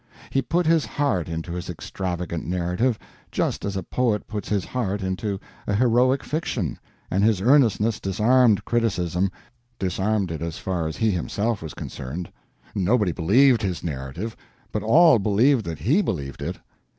He put his heart into his extravagant narrative, just as a poet puts his heart into a heroic fiction, and his earnestness disarmed criticism—disarmed it as far as he himself was concerned. Nobody believed his narrative, but all believed that he believed it.